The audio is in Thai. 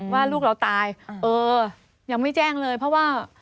ว่าลูกเราตายเออยังไม่แจ้งเลยเพราะว่า